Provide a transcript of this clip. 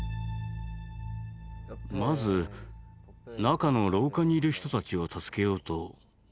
まず中の廊下にいる人たちを助けようと思いました。